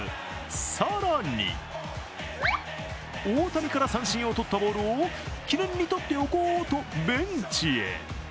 更に、大谷から三振を取ったボールを記念にとっておこうとベンチへ。